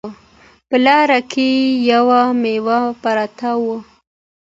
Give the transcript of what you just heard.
په لاره کې یوه میوه پرته وه